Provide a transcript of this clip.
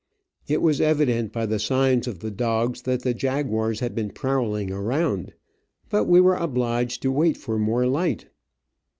It was evident by the signs of the dogs that the jaguars had been prowling around, but we were obliged to wait for more light.